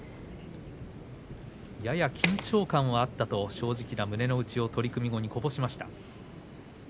やや緊張感はあったと正直な胸の内を取組後に、こぼしました。